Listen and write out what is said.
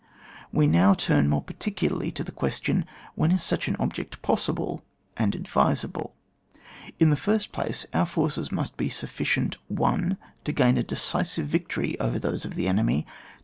We now turn more particularly to the question, When is such an object possible and advisable ? In the first place, our forces must be sufficient, — 1 . To gain a decisive victoiy over those of the enemy.